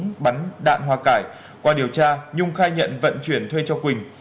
nhung vận chuyển một khẩu súng bắn đạn hoa cải qua điều tra nhung khai nhận vận chuyển thuê cho quỳnh